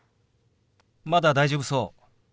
まだ大丈夫そう。